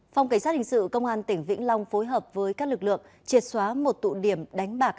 phòng cảnh sát hình sự công an tỉnh vĩnh long phối hợp với các lực lượng triệt xóa một tụ điểm đánh bạc